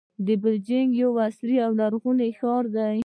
بیجینګ یو عصري او لرغونی ښار دی.